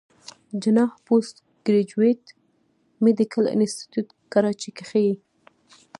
جناح پوسټ ګريجويټ ميډيکل انسټيتيوټ کراچۍ کښې